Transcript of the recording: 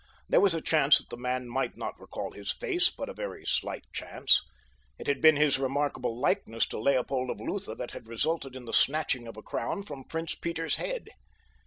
There was a chance that the man might not recall his face, but a very slight chance. It had been his remarkable likeness to Leopold of Lutha that had resulted in the snatching of a crown from Prince Peter's head.